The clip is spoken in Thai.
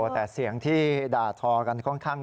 แต่เสียงที่ด่าทอกันค่อนข้าง